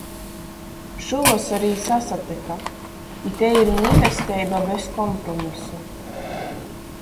Šūvosor jī sasatyka, i tei ir mīlesteiba bez kompromisu.